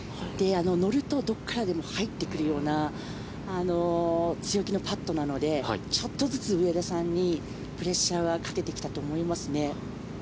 乗るとどこからでも入ってくるような強気のパットなのでちょっとずつ上田さんにプレッシャーはかけてきたと思いますね。